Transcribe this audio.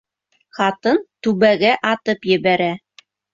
Ҡатын түбәгә атып ебәрә.